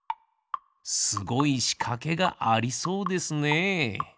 すごいしかけがありそうですね。